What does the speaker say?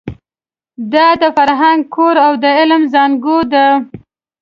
دا د فرهنګ کور او د علم زانګو ده.